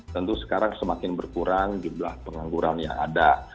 tentu sekarang semakin berkurang jumlah pengangguran yang ada